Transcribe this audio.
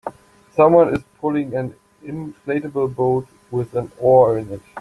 Someone is pulling an inflatable boat with an oar in it